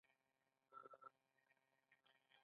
دا د ډېرو امکاناتو د مبارزې شی نه دی.